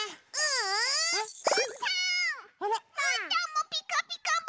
うーたんも「ピカピカブ！」